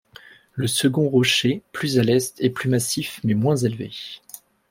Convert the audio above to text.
Le second rocher, plus à l'est, est plus massif mais moins élevé.